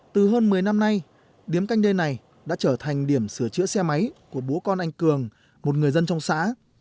từ hơn một mươi năm nay điếm canh đê này đã trở thành điểm sửa chữa xe máy của bố con anh cường một người dân trong xã